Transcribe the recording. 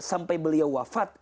sampai beliau wafat